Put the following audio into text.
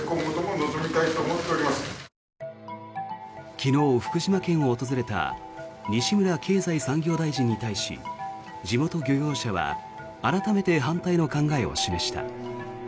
昨日、福島県を訪れた西村経済産業大臣に対し地元漁業者は改めて反対の考えを示した。